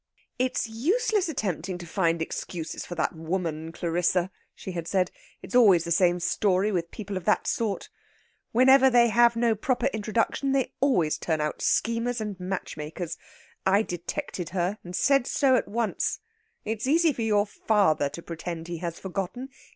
"It's useless attempting to find excuses for that woman. Clarissa," she had said. "It's always the same story with people of that sort. Whenever they have no proper introduction, they always turn out schemers and matchmakers. I detected her, and said so at once. It is easy for your father to pretend he has forgotten.